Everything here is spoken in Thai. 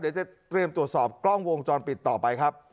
เดี๋ยวจะเตรียมตรวจสอบกล้องวงจรปิดต่อไปครับ